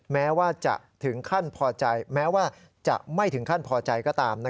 แม้ว่าจะไม่ถึงขั้นพอใจก็ตาม